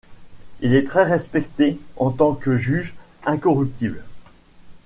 Il est très respecté en tant que juge incorruptible.